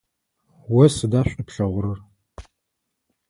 О сыда шӏу плъэгъурэр?